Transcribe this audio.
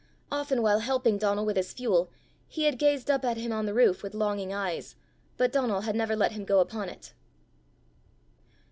Often while helping Donal with his fuel, he had gazed up at him on the roof with longing eyes, but Donal had never let him go upon it.